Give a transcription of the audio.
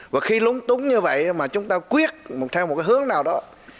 và khi lúng túng như vậy mà chúng ta quyết theo một cái hướng nào đó